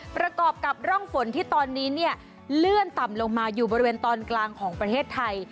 ประกอบกับร่องฝนที่ตอนนี้เนี่ยเลื่อนต่ำลงมาอยู่บริเวณตอนกลางของประเทศไทย